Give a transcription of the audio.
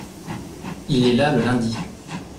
Il est là le lundi.